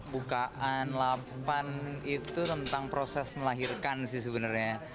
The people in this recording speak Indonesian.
bukaan lapan itu tentang proses melahirkan sih sebenarnya